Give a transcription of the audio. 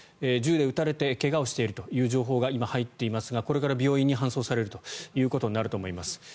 銃で撃たれて怪我をしているという情報が今、入っていますがこれから病院に搬送されるということになると思います。